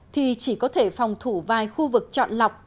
thì chỉ có thể phòng thủ vài khu vực chọn lọc